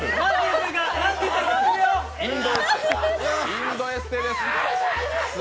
インドエステです！